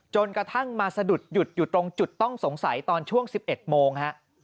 จนกระทั่งมาสะดุดหยุดอยู่ตรงจุดต้องสงสัยตอนช่วง๑๑โมง